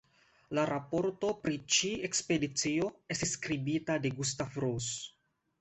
La raporto pri ĉi-ekspedicio estis skribita de Gustav Rose.